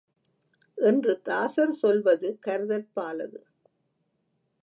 என்று தாசர் சொல்வது கருதற்பாலது.